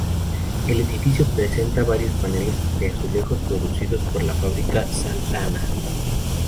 El edificio presenta varios paneles de azulejos, producidos por la Fábrica Sant'Anna.